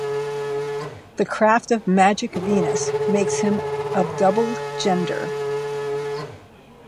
The craft of magic Venus makes him of double gender.